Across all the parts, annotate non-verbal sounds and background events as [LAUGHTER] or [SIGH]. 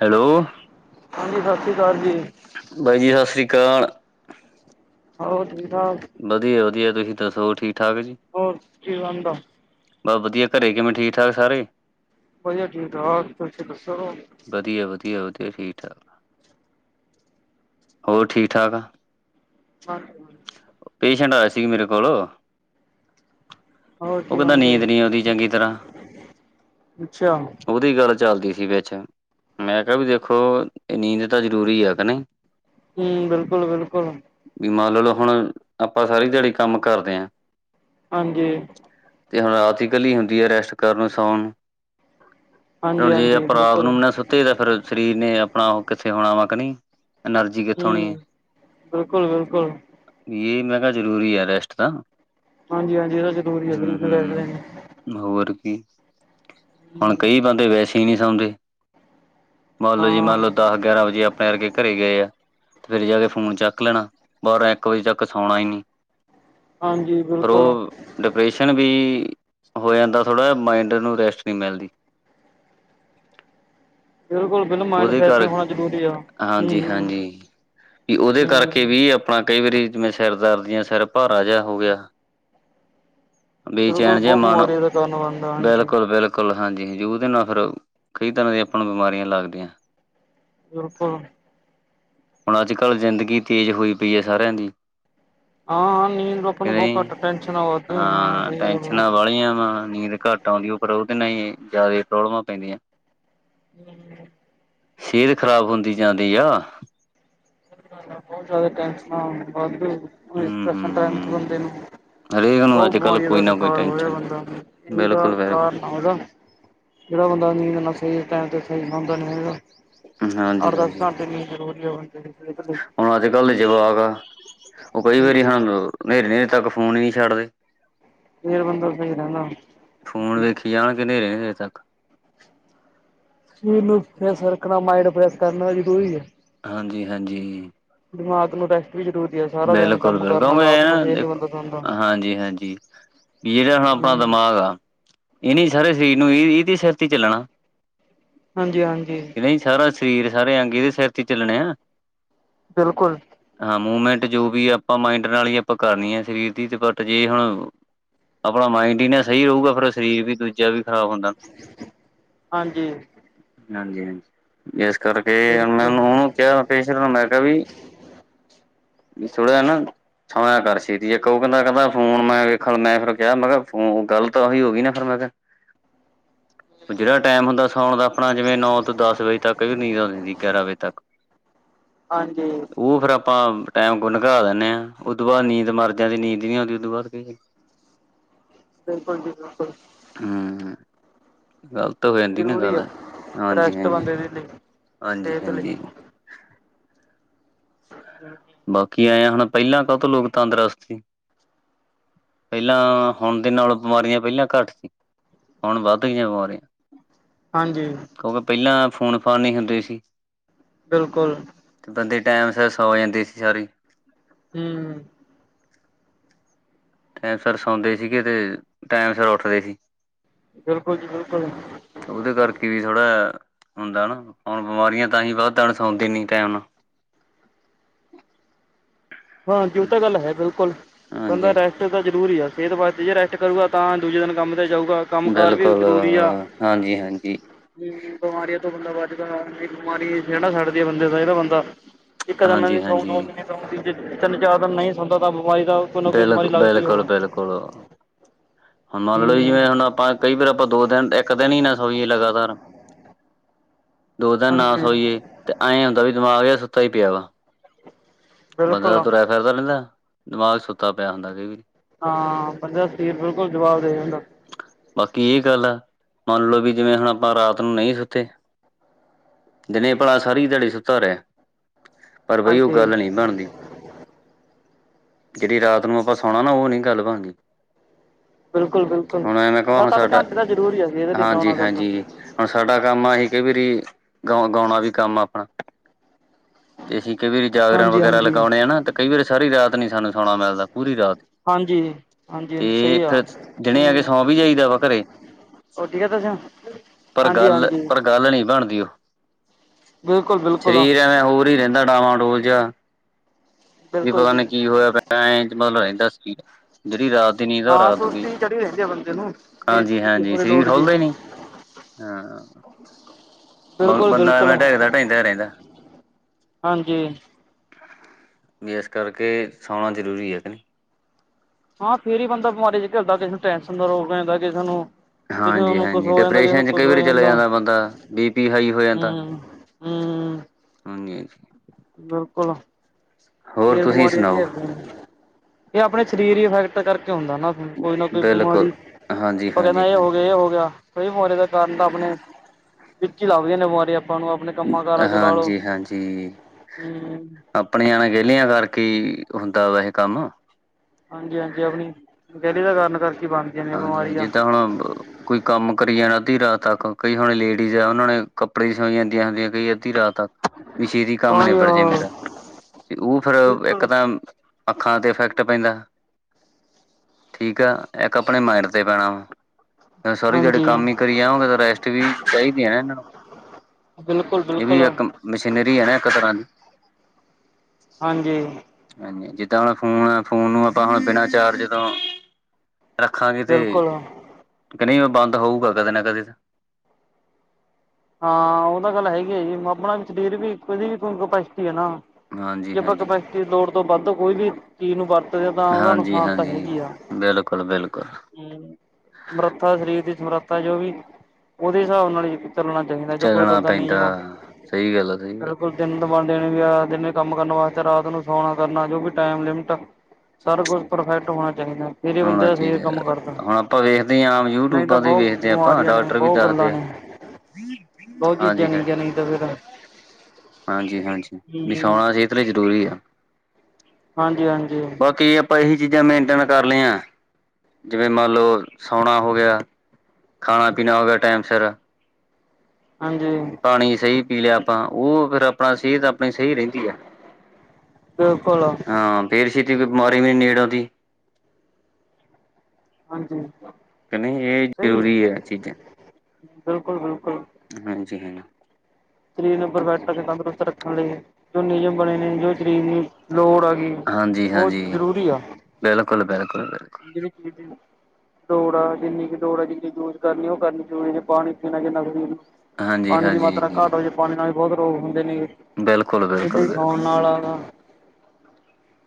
Hello, ਹਾਂਜੀ ਸਾਸਰੀ ਕਾਰ ਜੀ। ਬਾਈ ਜੀ ਸਾਸਰੀ ਕਾਲ। ਹੋਰ ਠੀਕ-ਠਾਕ? ਵਧੀਆ ਵਧੀਆ, ਤੁਸੀਂ ਦੱਸੋ ਹੋਰ ਠੀਕ ਠਾਕ ਜੀ? ਹੋਰ ਕੀ ਬਣਦਾ? ਬਸ ਵਧੀਆ ਘਰੇ ਕਿਵੇਂ ਠੀਕ ਠਾਕ ਸਾਰੇ? ਵਧੀਆ ਠੀਕ-ਠਾਕ, ਤੁਸੀਂ ਦੱਸੋ? ਵਧੀਆ-ਵਧੀਆ-ਵਧੀਆ ਠੀਕ ਠਾਕ, ਹੋਰ ਠੀਕ ਠਾਕ ਆ? ਹਾਂ ਪੇਸ਼ੈਂਟ ਆਇਆ ਸੀ ਮੇਰੇ ਕੋਲ ਹੋਰ ਉਹ ਕੀ ਕੇਦਾ ਬਣਦਾ ਨੀਂਦ ਜੀ ਨੀ ਉਹਦੀ ਚੰਗੀ ਤਰ੍ਹਾਂ। ਅੱਛਾ ਉਹਦੀ ਗੱਲ ਚੱਲਦੀ ਸੀ ਵਿਚ। ਮੈਂ ਕਿਹਾ ਵੀ ਦੇਖੋ ਨੀਂਦ ਤਾਂ ਜ਼ਰੂਰੀ ਆ ਕ ਨਹੀਂ। ਹੂੰ ਬਿਲਕੁਲ ਬਿਲਕੁਲ। ਵੀ ਮੰਨ ਲਓ, ਹੁਣ ਆਪਾਂ ਸਾਰੀ ਦਿਹਾੜੀ ਕੰਮ ਕਰਦੇ ਆ। ਹਾਂਜੀ। ਤੇ ਹੁਣ ਰਾਤ ਇਕੱਲੀ ਹੁੰਦੀ ਐ ਰੈਸਟ ਕਰਨ ਸੌਣ ਹਾਂਜੀ ਹੁਣ ਜੇ ਹਾਂਜੀ ਆਪਾਂ ਰਾਤ ਬਿਲਕੁਲ ਨੂੰ ਨਾ ਸੁੱਤੇ ਤਾਂ ਫੇਰ ਸਰੀਰ ਨੇ ਆਪਣਾ ਉਹ ਕਿੱਥੇ ਹੋਣਾ ਵਾ ਕਿ ਨਹੀਂ। ਐਨਰਜੀ ਕਿੱਥੋਂ ਆਉਣੀ ਹੂੰ, ਹੈ ਬਿਲਕੁਲ ਬਿਲਕੁਲ। ਇਹ ਮੈਂ ਕਿਹਾ ਜ਼ਰੂਰੀ ਆ ਰੈਸਟ ਤਾਂ। ਹਾਂਜੀ-ਹਾਂਜੀ ਇਹਦਾ ਜ਼ਰੂਰੀ ਐ ਹੂੰ-ਹੂੰ [UNINTELLIGIBLE] ਹੋਰ ਕੀ, ਹੁਣ ਹੂੰ ਕਈ ਬੰਦੇ ਵੈਸੇ ਈ ਨੀ ਸੌਂਦੇ। ਮੰਨ ਲੋ ਜੀ ਹਾਂ ਮੰਨ ਲਓ। ਦਸ ਗਿਆਰਾਂ ਵਜੇ ਆਪਣੇ ਅਰਕੇ ਘਰੇ ਗਏ, ਆ ਤੇ ਫੇਰ ਜਾ ਕੇ ਫੋਨ ਚੱਕ ਲੈਣਾ ਬਾਰਾਂ ਇੱਕ ਵਜੇ ਚੱਕ ਕਸਾਉਣਾ ਈ ਨੀ, ਹਾਂਜੀ ਪਰ ਬਿਲਕੁਲ ਉਹ ਲੋਕੇਸ਼ਨ ਵੀ ਹੋ ਜਾਂਦਾ ਥੋੜਾ, ਮਾਇੰਡ ਨੂੰ ਰੈਸਟ ਨਹੀਂ ਮਿਲਦੀ। ਬਿਲਕੁਲ। ਬਿਲ ਮਾਇੰਡ ਉਹਦੇ ਫਰੈਸ਼ ਕਰਕ, ਹੋਣਾ ਜ਼ਰੂਰੀ ਆ ਹੂੰ ਹਾਂਜੀ- ਹੂੰ ਹਾਂਜੀ ਵੀ ਉਹਦੇ ਹੂੰ ਕਰਕੇ ਵੀ। ਤਾਂ ਕਈ ਵਾਰੀ ਜਿਵੇਂ ਸਿਰ ਦਰ ਯਾ ਸਿਰ ਭਾਰਾ ਜਿਹਾ ਹੋ ਗਿਆ। ਬਿਲਕੁਲ ਬੀਚੈਨ ਜੇਹਾ ਬਹੁਤ ਮਨ ਬਿਲਕੁਲ- ਬਿਮਾਰੀਆਂ ਦਾ ਕਾਰਨ ਬਣਦਾ ਹਾਂਜੀ ਬਿਲਕੁਲ। ਬਿਲਕੁਲ ਹਾਂਜੀ- ਹਾਂਜੀ ਉਹਦੇ ਨਾਲ ਫੇਰ ਕਈ ਤਰਾਂ ਦੀਆਂ ਆਪਾਂ ਨ ਬਿਮਾਰੀਆਂ ਲੱਗਦੀਆਂ। ਬਿਲਕੁਲ। ਹੁਣ ਅੱਜ ਕੱਲ ਜ਼ਿੰਦਗੀ ਤੇਜ਼ ਹੋਈ ਪਈ ਹੈ ਸਾਰਿਆਂ ਦੀ। ਹਾਂ-ਹਾਂ ਨੀਂਦ ਲੋਕਾਂ ਨੂੰ ਬਹੁ ਨਹੀਂ ਘੱਟ, ਟੈਨਸ਼ਨ ਵੱਧੁ ਹੋ ਰਹਿਆ ਬੜਿਆਂ ਵਾ ਨੀਂਦ ਘੱਟ। ਟ ਆਂਦੀ ਓਪਰੋ ਉਹਦੇ ਨਾਂ ਹੀ ਜ਼ਿਆਦਾ ਪ੍ਰੋਬਲਮਾਂ ਪੈਂਦੀਆਂ। ਹੂੰ। ਸਿਹਤ ਖ਼ਰਾਬ ਹੁੰਦੀ ਜਾਂਦੀ ਆ। ਬਹੋਤ ਜਾਦਾ ਟੈਂਸ਼ਨਾ ਵਾਧੂ, [UNINTELLIGIBLE] ਹਮ ਕਰਾਨ ਚ ਹਮ ਬੰਦੇ ਨੂੰ ਹਰੇਕ ਨੂੰ ਉਹ ਅੱਜ ਕੱਲ ਬਿਮਾਰੀਆਂ ਕੋਈ ਦਾ ਨਾ ਕੋਈ ਸ਼ਿਕਾਰ ਹੋਇਆ ਟੈਨਸ਼ਨ ਬੰਦਾ, ਇਹਦਾ ਬਿਲਕੁਲ ਬਿਲਕੁਲ ਕਾਰਨ ਜਿਹੜਾ ਬੰਦਾ ਨੀਂਦ [UNINTELLIGIBLE] ਸ ਟਮ ਤੇ ਸ ਹਦਾ ਨ ਹਾਂਜੀ ਅਠ- ਦਸ ਹਾਂਜੀ ਘੰਟੇ ਨੀਂਦ ਜ਼ਰੂਰੀ ਆ ਬੰਦੇ ਲਈ। ਸਿਹਤ ਹੁਣ ਅੱਜ ਕੱਲ ਦੇ ਜਵਾਕ ਆ, ਉਹ ਕਈ ਵਾਰੀ ਹੁਨ ਨ- ਦਂ ਤੱਕ ਫ਼ੋਨ ਈ ਨਹੀਂ ਛੱਡਦੇ। ਫੇਰ ਬੰਦਾ ਸਹੀ ਰਹਿੰਦਾ ਏ। ਜਾਣ ਕੇ ਹਨੇਰੇ- ਹਨੇਰੇ ਤੱਕ। ਸਰੀਰ ਨੂੰ ਫਰੈਸ਼ ਰੱਖਣਾ, ਮਾਇੰਡ ਫਰੈਸ਼ ਕਰਨਾ ਜ਼ਰੂਰੀ ਹੈ। ਹਾਜੀ- ਹਾਜੀ। ਦਿਮਾਗ ਨੂੰ ਰੈ- ਬਿਲਕੁਲ ਬਿਲਕੁ ਮ ਨਾ ਫੇਰ ਨੀ ਦੇਖੋ, ਬੰਦਾ ਸੌਂਦਾ। ਹਾਂਜੀ-ਹਾਂਜੀ। ਯੇ ਹੈ ਆਪਾਂ ਹੂੰ ਦਿਮਾਗ ਆ। ਇਹ ਨੀ ਸਾਰੇ ਸ਼ਰੀਰ ਨੂੰ ਇਹ ਇਹਦੇ ਸਿਰ ਤੇ ਚੱਲਣਾ। ਹਾਂਜੀ- ਹਾਂਜੀ। ਨਹੀਂ ਸਾਰਾ ਸਰੀਰ, ਸਾਰੇ ਅੰਗੇ ਇਹਦੇ ਸਿਰ ਤੇ ਚੱਲਣੇ ਆ। ਬਿਲਕੁਲ। ਹਾਂ ਮੂਵਮੈਂਟ ਜੋ ਵੀ ਆਪਾਂ ਮਾਇੰਡ ਨਾਲ ਹੀ ਆਪਾਂ ਕਰਨੀ ਆ ਸਰੀਰ ਦੀ, ਤੇ ਬਟ ਜੇ ਹੁਣ ਆਪਣਾ ਮਾਇੰਡ ਹੀ ਨਾ ਸਹੀ ਹੋਗਾ ਫੈਰ ਸਰੀਰ ਵੀ ਦੂਜ ਚਾ ਵੀ ਖ਼ਰਾਬ ਹੁੰਦਾ, ਹਾਂਜੀ। ਹਾਂਜੀ- ਹਾਂਜੀ। ਜਿਸ ਕਰਕੇ ਬਿਲਕੁਲ। ਮੈਨੂੰ ਉਹਨੂੰ ਕਿਹਾ ਪੇਸ਼ਰ ਮੈਂ ਕਿਹਾ ਵੀ ਵੀ ਸੋੜੇ ਆ ਨਾ ਛਾਂ ਕਰ ਛੇਤੀ ਇੱਕ ਉਹ ਬੰਦਾ ਕਹਿੰਦਾ ਫੋਨ ਮੈਂ ਵੇਖਣ ਮੈਂ ਫੇਰ ਕਿਹਾ ਮੈਂ ਕਿਹਾ ਫੋਨ ਗ਼ੱਲ ਤਾਂ ਉਹੀ ਹੋ ਗਈ ਨਾ ਫੇਰ ਮੈਂ ਕਿਹਾ। [INAUDIBLE] ਉਹ ਜਿਹੜਾ ਟਾਈਮ ਹੁੰਦਾ ਸੌਉਣ ਦਾ ਆਪਣਾ ਜਿਵੇਂ ਨੌ ਤੋਂ ਦਸ ਵਜੇ ਤੱਕ ਵੀ ਨੀਂਦ ਆਂਦੀ ਗਿਆਰਾਂ ਵਜੇ ਤੱਕ। ਹਾਂਜੀ, ਉਹ ਫੇਰ ਆਪਾਂ ਟਾਈਮ ਕੋ ਲਘਾ ਦਿੰਦੇੇ ਆ, ਉਦੋ ਬਾਅਦ ਨੀਂਦ ਮਰ ਜਾਂਦੀ ਨੀਂਦ ਨੀ ਆਂਉਦੀ ਉਦੋਂ ਬਾਅਦ ਕ। [INAUDIBLE] ਬਿਲਕੁਲ ਜੀ ਬਿਲਕੁਲ। ਹੂੰ। ਗਲਤ ਹੋ ਜਾਂਦੀ ਨਾ ਜ਼ਰੂਰੀ ਆ। ਗੱਲ, ਹਾਂਜੀ- ਰੈਸਟ ਹਾਂਜੀ, ਬੰਦੇ ਦੇ ਲਈ ਹਾਂਜੀ- ਸਿਹਤ ਲਈ। ਹਾਂਜੀ। ਬਿਲਕੁਲ ਜੀ। ਬਾਕੀ ਆਏ ਹੁਣ, ਪਹਿਲਾਂ ਕਾਹਤੋ ਲੋਕ ਤੰਦਰੁਸਤ ਸੀ। ਪਹਿਲਾਂ, ਹੁਨ ਦੇ ਨਾਲ ਬਿਮਾਰੀਆਂ ਪਹਿਲਾਂ ਘੱਟ ਸੀ। ਹੁਣ ਵੱਧ ਗਈਆਂ ਬਿਮਾਰੀਆਂ। ਹਾਂਜੀ। ਕਿਉਂਕਿ ਪਹਿਲਾਂ, ਫੋਨ ਫਾਨ ਨੀ ਹੁੰਦੇ ਸੀ। ਬਿਲਕੁਲ। ਤੇ ਬੰਦੇ ਟੈਮ ਸਿਰ ਸੌ ਜਾਂਦੇ ਸੀ ਸਾਰੇ। ਹਮ। ਟੈਮ ਸਿਰ ਸੌਂਦੇ ਸੀਗੇ ਤੇ, ਟੈਮ ਸਿਰ ਉੱਠਦੇ ਸੀ। ਬਿਲਕੁਲ ਜੀ ਬਿਲਕੁਲ। ਉਹਦੇ ਕਰਕੇ ਵੀ ਥੋੜਾ, ਹੁੰਦਾ ਨਾ ਹੁਣ ਬਿਮਾਰੀਆਂ ਤਾਂਹੀ ਵੱਧ ਆ ਸੌਂਦੇ ਨੀ ਟੈਮ ਨਾਲ। ਹਾਂ, ਇਹ ਤੇ ਗੱਲ ਹੈ ਬਿਲਕੁਲ, ਬੰਦਾ ਹਾਂਜੀ ਰੈਸ ਰੈਸਟ ਤਾਂ ਜ਼ਰੂਰੀ ਆ ਸਿਹਤ ਵਾਸਤੇ, ਜੇ ਰੈਸਟ ਕਰੂਗਾ ਤਾਂ ਦੂਜੇ ਦਿਨ ਕੰਮ 'ਤੇ ਜਾਊਗਾ। ਕੰਮ ਕਾਰ ਵੀ ਬਿਲਕੁਲ ਅ, ਹਾਂਜੀ- ਹਾਂਜੀ। ਵੀ, ਬਿਮਾਰੀਆਂ ਤੋਂ ਬੰਦਾ ਬੱਚਦਾ, ਬਿਮਾਰੀ ਖਹਿੜਾ ਛੱਡਦੀ ਏ ਬੰਦੇ ਦਾ ਜਿਹੜਾ ਬੰਦਾ ਇੱਕ ਦਿਨ ਨੀ ਸੌਂ, ਦੋ ਹਾਂਜੀ-ਹਾਂਜੀ ਦਿਨ ਨੀ ਸੌਂ, ਤਿੰਨ- ਚਾਰ ਦਿਨ ਨਹੀਂ ਸੌਂਦਾ ਤਾਂ ਬਿਮਾਰੀ ਦਾ ਕੋਈ ਨਾ ਕੋਈ ਬਿਲ ਬਿਮਾਰੀ ਬਿਲਕੁਲ- ਲੱਗਦੀ ਬਿਲਕੁਲ- ਹੋਊ। ਬਿਲਕੁਲ ਹੁਣ ਮੰਨ ਲਓ ਜਿਵੇਂ ਹੁਣ ਹੂੰ ਆਪਾਂ ਕਈ ਵਾਰ ਆਪਾਂ ਦੋ ਦਿਨ, ਇੱਕ ਦਿਨ ਹੀ ਨਾ ਸੌਈਏ ਲਗਾਤਾਰ ਦੋ ਦਿਨ ਨਾ ਹਾਂਜੀ ਸੋਈਏ, ਤੇ ਐੰ ਹੁੰਦਾ ਵੀ ਦਿਮਾਗ ਜਿਹਾ ਸੁੱਤਾ ਹੀ ਪਿਆ ਵਾ। ਬਿਲਕੁਲ ਬੰਦਾ ਤੁਰਿਆ ਫਿਰਦਾ ਰਹਿੰਦਾ, ਦਿਮਾਗ ਸੁੱਤਾ ਪਿਆ ਹੁੰਦਾ ਕਈ ਵਾਰੀ। ਹਾਂ, ਬੰਦਾ ਸਰੀਰ ਬਿਲਕੁਲ ਜਵਾਬ ਦੇ ਜਾਂਦਾ। ਬਾਕੀ ਇਹ ਗੱਲ ਐ, ਮੰਨਲੋ ਵੀ ਜਿਵੇਂ ਹੁਣ ਆਪਾਂ ਰਾਤ ਨੂੰ ਨਹੀਂ ਸੁੱਤੇ ਦਿਨੇ ਭਲਾ ਸਾਰੀ ਦਿਹਾੜੀ ਸੁੱਤਾ ਰਹਿ, ਪਰ ਬਈ ਉਹ ਹਾਂਜੀ ਗੱਲ ਨੀ ਬਣਦੀ। ਜੇੜੀ ਰਾਤ ਨੂੰ ਆਪਾਂ ਸੌਣਾ ਨਾ, ਉਹ ਨੀ ਗੱਲ ਬਣਦੀ। ਬਿਲਕੁਲ ਬਿਲਕੁਲ ਹੁਣ ਐਵੇਂ ਕਹਾਂ ਸੱਤ ਅੱਠ ਸਾਡਾ, ਘੰਟੇ ਤਾਂ ਜ਼ਰੂਰੀ ਆ ਜੀ ਇਹਦੇ ਲਈ ਹਾਂਜੀ, ਸੌਣਾ ਕਰਨਾ ਹਾਂਜੀ ਹੁਣ ਸਾਡਾ ਕੰਮ ਅਸੀਂ ਕਈ ਵਾਰੀ, ਗਾਉਣਾ ਵੀ ਕੰਮ ਆਪਣਾ। ਤੇ ਅਸੀਂ ਕਈ ਵਾਰੀ ਜਾਗਰਣ ਹਾਂਜੀ ਵਗੈਰਾ ਹਾਂਜੀ ਹਾਂਜੀ ਲਗਾਉਣੇ ਆ, ਨਾ ਕਈ ਵਾਰੀ ਸਾਰੀ ਰਾਤ ਨਹੀ ਸਾਨੂੰ ਸੋਣਾ ਮਿਲਦਾ, ਪੂਰੀ ਰਾਤ। ਹਾਂਜੀ ਹਾਂਜੀ ਤੇ ਸਹੀ ਇੱਕ, ਆ ਦਿਨੇ ਹੂੰ ਆਗੇ ਸੌਂ ਵੀ ਜਾਈਦਾ ਵਾ ਘਰੇ। ਹੋਰ ਠੀਕ ਆ ਤੁਸੀਂ ਪਰ ਹਾਂਜੀ ਗੱਲ, ਹਾਂਜੀ ਪਰ ਗੱਲ ਨਹੀ ਬਣਦੀ ਉਹ। ਬਿਲਕੁਲ ਬਿਲਕੁਲ ਸਰੀਰ ਐਵੇੈਂ ਹੋਰ ਹੀ ਰਹਿੰਦਾ, ਡਾਵਾਂ ਡੋਲ ਜਾ। ਵੀ ਬਿਲਕੁਲ ਪਤਾ ਜੀ ਨਹੀਂ ਕੀ ਹੋਇਆ ਪਿਆ, ਐੰ ਮਤਲਬ ਰਹਿੰਦਾ ਸੀ, ਜੇੜੀ ਰਾਤ ਨੀਂਦ ਤਾਂ ਹਾਂ ਰਾਤ ਕੋਈ, ਸੁਸਤੀ ਚੜੀ ਰਹਿੰਦੀ ਆ ਬੰਦੇ ਨੂੰ ਇਸ ਹਾਂਜੀ ਚੀਜ਼ ਹੈਂ ਦੀ ਨੀ ਹੋਰ ਸਰੀਰ ਲੋੜ ਜੀ ਖੁੱਲਦੇ ਨੀ। ਆਂ। ਬੰ, ਬਿਲਕੁਲ ਬੰਦਾ ਬਿਲਕੁਲ ਐਵੇਂ ਢਕਦਾ ਢਾਈਦਾ ਰਹਿੰਦਾ ਹਾਂਜੀ ਵੀ ਇਸ ਕਰਕੇ ਸੌਣਾ, ਜ਼ਰੂਰੀ ਹੈ ਕਿ ਨਹੀਂ ਹਾਂ, ਫਿਰ ਹੀ ਬੰਦਾ ਬਿਮਾਰੀਆਂ 'ਚ ਘਿਲਦਾ, ਕਿਸੇ ਨੂੰ ਟੈਨਸ਼ਨ ਦਾ ਰੋਗ ਜਾਂਦਾ ਕਿਸੇ ਨੂੰ ਕਿਸੇ ਹਾਂਜੀ- ਨੂੰ ਕੁਛ ਹਾਂਜੀ, ਹੋ ਜਾਂਦਾ ਕਿਸੇ ਨੂੰ ਡਿਪ੍ਰੈਸ਼ਨ 'ਚ ਕੁਛ ਕਈ ਹੋ ਵਾਰੀ ਚਲਾ ਜਾਂਦਾ ਬੰਦਾ, ਬੀ ਪੀ ਹਾਈ ਹੋ ਜਾਂਦਾ ਹੂੰ ਹੂੰ ਹਾਂਜੀ- ਹਾਂਜੀ ਬਿਲਕੁਲ ਹੋਰ ਫਿਰ ਤੁਸੀਂ ਬਿਮਾਰੀਆਂ ਸੁਣਾਓ ਘੇਰਦੀਆਂ ਨੇ, ਇਹ ਆਪਣੇ ਸਰੀਰ ਇਫੈਕਟ ਕਰਕੇ ਹੁੰਦਾ ਨਾ ਹੁਣ ਕੋਈ ਨਾ ਕੋਈ ਬਿਲਕੁਲ ਬਿਮਾਰੀ, ਹਾਂਜੀ ਕਦੇ ਹਾਂਜੀ ਐਹ ਹੋ ਗਿਆ ਹਾਂਜੀ ਇਹ ਹੋ ਗਿਆ ਕਈ ਬਿਮਾਰੀਆਂ ਦਾ ਕਾਰਨ ਤਾਂ ਆਪਣੇ, ਵਿੱਚੀ ਲੱਭਦੀਆਂ ਨੇ ਬਿਮਾਰੀਆਂ ਆਪਾਂ ਨੂੰ ਆਪਣੇ ਕੰਮਾਂ ਕਾਰਾਂ 'ਚ ਲਾਲੋ, ਹਾਂਜੀ ਹਾਂਜੀ ਹਮ ਆਪਣੀਆਂ ਅਣਗਹਿਲੀਆਂ ਕਰਕੇ ਈ, ਹੁੰਦਾ ਵਾ ਇਹ ਕੰਮ ਹਾਂਜੀ- ਹਾਂਜੀ ਆਪਣੀ, ਅਣਗਹਿਲੀ ਦਾ ਕਾਰਣ ਕਰਕੇ ਬਣ ਹਾਂਜੀ- ਹਾਂਜੀ, ਜਿੱਦਾਂ ਹੁਣ ਕੋਈ ਕੰਮ ਕਰੀ ਜਾਣਾ ਅੱਧੀ ਰਾਤ ਤੱਕ, ਕਈ ਹੁਣ ਲੇਡੀਜ਼ ਆ ਓਨਾਂ ਨੇ ਕੱਪੜੇ ਈ ਸਿਉੰਈ ਜਾਂਦੀਆਂ ਹੁੰਦੀਆਂ ਕਈ ਅੱਧੀ ਰਾਤ। ਵੀ ਸ਼ੇਤੀ ਕੰਮ ਨਿਬੜ ਜੇ ਹਾਂਜੀ ਮੇਰਾ ਤੇ ਓ ਫੇਰ ਇੱਕ ਬਿਲਕੁਲ ਤਾਂ ਅੱਖਾਂ ਤੇ ਫੈਕਟ ਪੈਂਦਾ, ਠੀਕ ਐ ਇੱਕ ਆਪਣੇ ਮਾਈਂਡ ਤੇ ਪੈਣਾ ਸਾਰੀ ਦੇਹਾੜੀ ਕੰਮ ਈ ਕਰੀ ਜਾਓਗੇ ਤਾਂ, ਰੈਸਟ ਵੀ ਚਾਈਦੀ ਐ ਇਨਾਂ ਨੂੰ। ਬਿਲਕੁਲ- ਇਹ ਵੀ ਬਿਲਕੁਲ। ਇੱਕ ਮਸ਼ੀਨਰੀ ਐ ਨਾ ਇੱਕ ਤਰਾਂ ਦੀ। ਹਾਂਜੀ। ਹਾਂਜੀ ਜਿੱਦਾਂ ਹੁਣ ਫੋਨ ਐ, ਫੋਨ ਨੂੰ ਆਪਾਂ ਹੁਣ ਬਿਨਾਂ ਚਾਰਜ ਤੋਂ ਰੱਖਾਂਗੇ ਤੇ ਬਿਲਕੁਲ [UNINTELLIGIBLE] ਬੰਦ ਹੋਊਗਾ ਕਦੇ ਨਾ ਕਦੇ ਤਾਂ ਹਾਂ, ਓ ਤਾਂ ਗੱਲ ਹੈਗੀ ਐ ਜੀ ਆਪਣਾ ਸਰੀਰ ਦੀ ਵੀ ਕਪੈਸਿਟੀ ਐ ਨਾ। ਹਾਂਜੀ ਜੇ ਆਪਾਂ ਹਾਂਜੀ ਕੈਪੈਸਟੀ ਲੋੜ ਤੋਂ ਵੱਧ ਕੋਈ ਵੀ ਚੀਜ ਨੂੰ ਵਰਤਦੇ ਆਂ ਤਾਂ ਓਦਾ ਨੁਕਸਾਨ ਤਾਂ ਹੈਗ ਈ ਆ। ਬਿਲਕੁਲ -ਬਿਲਕੁਲ। ਹਮ, ਸਮਰੱਥਾ ਸ਼ਰੀਰ ਦੀ ਸਮਰੱਥਾ ਜੋ ਵੀ ਓਦੇ ਹਿਸਾਬ ਨਾਲ ਈ ਚੱਲਨਾ ਚਹੀਦਾ ਜੋ ਕੁਦਰਤ ਚੱਲਣਾ ਦਾ ਪੈਂਦਾ। ਨਿਯਮ ਆ, ਸਹੀ ਗੱਲ ਆ ਸਹੀ ਗੱਲ ਬਿਲਕੁਲ ਦਿਨ ਤਾਂ ਬਨਦੇ ਵੀ ਆ ਦਿਨੇ ਕੰਮ ਕਰਨ ਵਾਸਤੇ ਰਾਤ ਨੂੰ ਸੋਣਾ ਕਰਨਾ ਜੋ ਵੀ ਟੈਮ ਲਿਮਟ ਸਾਰਾ ਕੁਛ ਪਰਫੈਕਟ ਹੋਣਾ ਚਾਹੀਦੈ। ਹੋਣਾ ਚਾਈਦਾ, ਹੁਣ ਆਪਾਂ ਵੇਖਦੇ ਆਂ ਆਮ ਯੂ ਨਹੀਂ ਤਾਂ ਟੂਬਾਂ ਤੇ ਬਹੁਤ ਵੇਖਦੇ ਆਂ ਆਪਾਂ ਬਿਮਾਰੀਆਂ ਨੇ ਡਾਕਟਰ ਵੀ ਦੱਸਦੇ ਐ। [INAUDIBLE] ਬੋਤ ਚੀਜਾਂ ਨੀਂ ਗਿਨੀ ਦਾ ਫੇਰ। ਹਾਂਜੀ-ਹਾਂਜੀ, ਨਈਂ ਸੋਣਾ ਸੇਹਤ ਲਈ ਜਰੂਰੀ ਆ। ਹਾਂਜੀ- ਹਾਂਜੀ। ਬਾਕੀ ਆਪਾਂ ਏਹੀ ਚੀਜਾਂ ਮੇਨਟੇਨ ਕਰ ਲਈਆਂ ਜਿਵੇਂ ਮੰਨ ਲਓ ਸੋਣਾ ਹੋ ਗੇਆ। ਖਾਣਾ- ਪੀਣਾ ਹੋ ਗੇਆ ਟਾਈਮ ਸਿਰ। ਹਾਂਜੀ। ਪਾਣੀ ਸਈ ਪੀ ਲੇਆ ਆਪਾਂ, ਓ ਫਿਰ ਆਪਣਾ ਸੇਹਤ ਆਪਣੀ ਸਈ ਰੈੰਦੀ ਐ। ਬਿਲਕੁਲ ਹਾਂ, ਫੇਰ ਛੇਤੀ ਕੋਈ ਬਿਮਾਰੀ ਵੀ ਨੀ ਨੇੜ ਆਂਦੀ। ਹਾਂਜੀ ਕੀ ਨਹੀਂ, ਏ ਸਹੀ ਏ। ਜ਼ਰੂਰੀ ਐ ਚੀਜਾਂ ਬਿਲਕੁਲ-ਬਿਲਕੁਲ ਹਾਂਜੀ- ਹੈ ਨਾ। ਸਰੀਰ ਨੂੰ ਪਰਫੈਕਟ ਤੇ ਤੰਦਰੁਸਤ ਰੱਖਣ ਲਈ ਜੋ ਨਿਯਮ ਬਣੇ ਨੇ, ਜੋ ਸਰੀਰ ਨੂੰ ਲੋੜ ਹੈਗੀ। ਹਾਂਜੀ -ਹਾਂਜੀ, ਬਿਲਕੁਲ-ਬਿਲਕੁਲ, ਬਿਲਕੁਲ। ਜੀ -ਜੀ। ਲੋੜ ਆ, ਜਿੰਨੀ ਕੁ ਲੋੜ ਐ, ਜਿੰਨੀ ਯੂਜ ਕਰਨੀ ਓ ਕਰਨੀ ਜਰੂਰੀ, ਜੇ ਪਾਣੀ ਪੀਣਾ ਜਿੰਨਾ ਪੀ ਹਾਂਜੀ- ਹਾਂਜੀ, ਜੀ। ਪਾਣੀ ਨਾਲ ਵੀ ਬੌਤ ਰੋਗ ਹੁੰਦੇ ਨੇ, ਏਦਾਂ ਬਿਲਕੁਲ ਈ ਬਿਲਕੁਲ ਸੌਣ ਨਾਲ ਆ ਗਾ।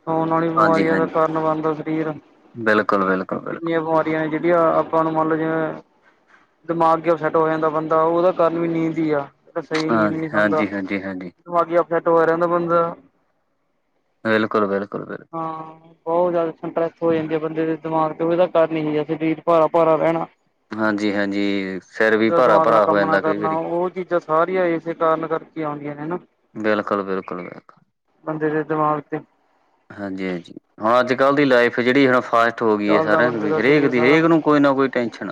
ਸੌਣ ਨਾਲ ਈ ਹਾਂਜੀ ਬੀਮਾਰੀਆਂ ਦਾ ਹਾਂਜੀ ਕਾਰਨ ਬਣਦਾ ਸਰੀਰ, ਬਿਲਕੁਲ ਬਿਲਕੁਲ ਬਿਲਕੁਲ ਕਿੰਨੀਆਂ ਬਿਮਾਰੀਆਂ ਨੇ, ਜੇਹੜੀਆਂ ਆਪਾਂ ਨੂੰ ਮੰਨ ਲਓ ਜਿਵੇਂ ਦਮਾਗੀ ਅਪਸੈੱਟ ਹੋ ਜਾਂਦਾ ਬੰਦਾ, ਓਦਾ ਕਾਰਨ ਵੀ ਨੀਂਦ ਈ ਐ। ਜੇਹੜਾ ਸਹੀ ਨੀਂਦ ਹਾਂਜੀ ਨੀ ਖਾਂਦਾ, ਹਾਂਜੀ ਹਾਂਜੀ ਹਾਂਜੀ ਦਮਾਗੀ ਅਪਸੈੱਟ ਹੋਏਆ ਰੈੰਦਾ ਬੰਦਾ। ਬਿਲਕੁਲ- ਬਿਲਕੁਲ, ਬਿਲ ਹਾਂ। ਬੌਤ ਜਾਦਾ ਸੰਟਰੈਸ ਹੋ ਜਾਂਦੀ ਐ, ਬੰਦੇ ਦੇ ਦਮਾਗ ਤੇ ਓਦਾ ਕਾਰਨ ਏਹੀ ਐ ਸਰੀਰ ਭਾਰਾ-ਭਾਰਾ ਰੈਣਾ। ਹਾਂਜੀ -ਹਾਂਜੀ ਸਿਰ ਵੀ ਦਿਮਾਗ ਨਾਲ ਭਾਰਾ-ਭਾਰਾ ਹੋ ਕੰਮ ਨਾ ਜਾਂਦੈ ਕਈ ਕਰਨਾ ਵਾਰੀ। ਉਹ ਚੀਜ਼ਾਂ। ਸਾਰੀਆਂ ਇਸੇ ਕਾਰਨ ਕਰਕੇ ਆਉਂਦੀਆਂ ਨੇ ਨਾ। ਬਿਲਕੁਲ ਬਿਲਕੁਲ ਬਿਲਕੁਲ। ਬੰਦੇ ਦੇ ਦਿਮਾਗ ਤੇ। ਹਾਂਜੀ-ਹਾਂਜੀ ਅੱਜ ਕੱਲ੍ਹ ਲਾਈਫ ਜਿਹੜੀ ਹੁਣ ਫਾਸ। ਹੋ ਗਈ ਹੈ ਚੱਲਦਾ ਸਾਰਿਆਂ ਬੰਦੇ ਦੀ ਦਾ ਹਰੇਕ ਸਰੀਰ ਦੀ ਸਾਰਾ ਹਰੇਕ ਨੂੰ ਕੋਈ ਨਾ ਕੋਈ ਟੈਨਸ਼ਨ।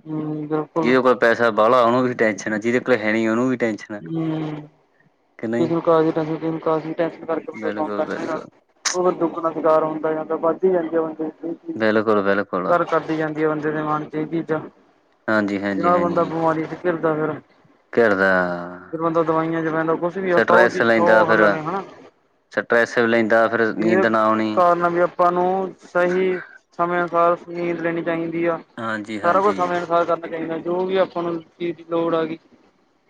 ਹੂੰ। ਜਿਹਦੇ ਕੋਲ ਪੈਸਾ ਬੜਾ ਉਹਨੂੰ ਵੀ ਟੈਸ਼ਨ ਜਿਹਦੇ ਕੋਲ ਹੈ ਨਹੀਂ ਉਹਨੂੰ ਵੀ ਟੈਸ਼ਨ। ਹੂੰ ਕਿਸੇ ਨੂੰ ਕਾਂਹਦਿ ਟੈਸ਼ਨ ਕਿਸੇ ਨੂੰ ਕਾਂਹਦਿ ਟੈਂਸ਼ਨ ਕਰਕੇ। ਬਿਲਕੁਲ ਬਿਲਕੁਲ [UNINTELLIGIBLE] ਉਹ ਦੁੱਗਣਾ ਸੁਿਕਾਰ ਹੁੰਦਾ ਯਾ ਤਾ ਵੱਧਦੀ ਜਾਂਦੀ ਆ। ਬਿਲਕੁਲ ਬਿਲਕੁਲ [UNINTELLIGIBLE] ਘਰ ਕਰਦੀ ਜਾਂਦੀ ਆ ਬੰਦੇ ਦੇ ਮਨ ਚ ਇਹ ਚੀਜ਼ਾਂ। ਹਾਂਜੀ ਹਾਂਜੀ ਜਿਹੜਾ ਬੰਦਾ ਬਿਮਾਰੀ ਚ ਘਿਰਦਾ ਫਿਰ। ਘਿਰਦਾ। ਫਿਰ ਬੰਦਾ ਦਵਾਈਆਂ ਚ ਪੈਂਦਾ ਕੁਛ ਵੀ ਆ ਸੌ ਚੀਜ਼ ਸੌ ਲੈਂਦਾ ਫਿਰ ਹੱਲ ਨੇ ਹਨਾ। ਸਟਰ੍ਰੈਸ ਵੀ ਲੈਂਦਾ ਫਿਰ ਨੀਂਦ ਨਾ ਆਉਣੀ। ਤੁਹਾਨੂੰ ਸਹੀ ਸਮੇਂ ਅਨੁਸਾਰ ਨੀਂਦ ਲੈਣੀ ਚਾਹੀਦੀ ਆ। ਹਾਂਜੀ ਸਾਰਾ ਹਾਂਜੀ ਕੁਛ ਸਮੇਂ ਅਨੁਸਾਰ ਕਰਨਾ ਚਾਹੀਦਾ ਜੋ ਵੀ ਆਪਾਂ ਨੂੰ ਚੀਜ਼ ਦੀ ਲੋੜ ਆ ਗਈ।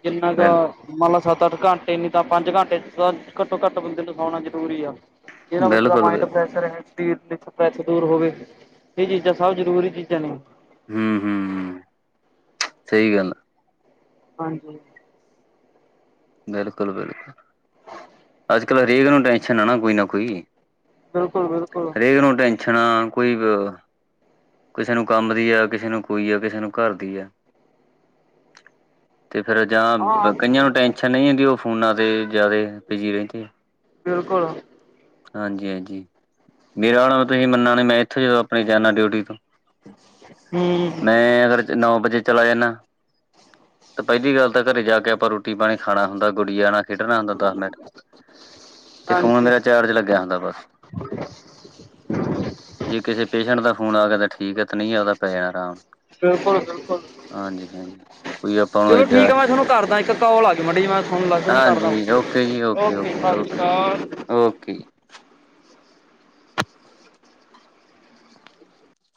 ਜਿੰਨਾ ਬਿਲ ਮੰਨ ਲਾ ਸੱਤ ਅੱਠ ਘੰਟੇ ਨੀ ਤਾਂ ਪੰਜ ਘੰਟੇ ਤਾਂ ਘੱਟੋ ਘੱਟ ਬੰਦੇ ਨੂੰ ਸਾਉਣਾ ਜਰੂਰੀ ਆ। ਕੇਰਾਂ ਬੰਦੇ ਦਾ ਬਿਲਕੁਲ ਮਾਈਡ ਬਿਲ ਫਰੈਸ। ਸਰੀਰ ਦੇ ਸਟਰ੍ਸ ਦੂਰ ਹੋਵੇ ਇਹ ਚੀਜ਼ਾਂ ਸਭ ਜ਼ਰੂਰੀ ਚੀਜ਼ਾਂ ਨੇ। ਹੂੰ ਹੂੰ ਸਹੀ ਗੱਲ ਆ। ਹਾਂਜੀ। ਬਿਲਕੁਲ ਬਿਲਕੁਲ ਅੱਜ ਕਲ ਹਰੇਕ ਨੂੰ ਟੈਸ਼ਨ ਆ ਨਾ ਕੋਈ ਨਾ ਕੋਈ। ਬਿਲਕੁਲ ਬਿਲਕੁਲ ਹਰੇਕ ਨੂੰ ਟੈਸ਼ਨ ਆ ਕੋਈ। ਕਿਸੇ ਨੂੰ ਕੰਮ ਦੀ ਆ ਕਿਸੇ ਨੂੰ ਕੋਈ ਆ ਕਿਸੇ ਨੂੰ ਘਰ ਦੀ ਆ। ਤੇ ਫਿਰ ਹਾਂ ਜਾਂ ਕਈਆਂ ਨੂੰ ਟੈਸ਼ਨ ਨਹੀਂ ਹੁੰਦੀ ਉਹ ਫੋਨਾਂ ਤੇ। ਜ਼ਿਆਦੇ ਬਿਜੀ ਰਹਿੰਦੇ ਆ। [UNINTELLIGIBLE] ਬਿਲਕੁਲ ਹਾਂਜੀ-ਹਾਂਜੀ ਮੇਰਾ ਤੁਸੀਂ ਮੰਨਣਾ ਨੀ ਮੈਂ ਇੱਥੋਂ ਜਦੋਂ ਆਪਣਾ ਜਾਂਦਾ ਡਿਊਟੀ ਤੋਂ। ਹੂੰ ਮੈਂ ਅਗਰ। ਤੇ ਨੌ ਵਜੇ ਚਲਾ ਜਾਂਣਾ ਤੇ ਪਹਿਲੀ ਗੱਲ ਤਾਂ ਘਰੇ ਜਾ ਕੇ ਆਪਾਂ ਰੋਟੀ ਪਾਣੀ। ਖਾਣਾ ਹੁੰਦਾ ਗੁੜੀਆਂ ਨਾਲ। ਖੇਡਣਾ ਹੁੰਦਾ ਦਸ ਮਿੰਟ ਤੇ ਫੋਨ ਹਾਂਜੀ ਮੇਰਾ ਚਾਰਜ ਲਗਿਆ ਹੁੰਦਿਆ ਬਸ। [INAUDIBLE] ਜੇ ਕਿਸੇ ਪੇਸ਼ੈਂਟ ਦਾ ਫੋਨ ਆ ਗਿਆ ਤਾਂ ਠੀਕ ਹੈ ਤੇ ਨਹੀਂ ਹੈਗਾ ਤੇ ਪਏ ਆਰਾਮ ਨਾਲ। ਬਿਲਕੁਲ ਬਿਲਕੁਲ ਹਾਂਜੀ-ਹਾਂਜੀ ਕੋਈ ਆਪਾਂ ਨੂੰ ਚਲੋ ਏਡਾ। ਠੀਕ ਆ ਮੈਂ ਤੁਹਾਨੂੰ ਕਰਦਾ ਇੱਕ ਕੌਲ ਆ ਗਈ। [UNINTELLIGIBLE] ਹਾਂਜੀ ਓਕੇ ਜੀ ਓਕੇ ਓਕੇ ਸਤਿ ਸ਼੍ਰੀ ਓਕੇ ਅਕਾਲ ਓਕੇ ਜੀ।